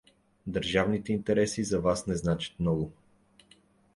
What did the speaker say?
Държавните интереси за вас не значат много.